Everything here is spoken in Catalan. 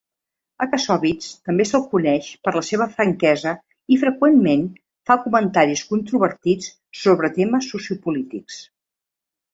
A Kassovitz també se'l coneix per la seva franquesa i freqüentment fa comentaris controvertits sobre temes sociopolítics.